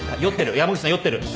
山口さん酔ってる。